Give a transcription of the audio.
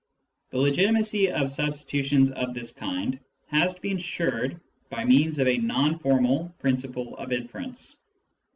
The legitimacy of substitutions of this kind has to be insured by " means of a non formal principle of inference.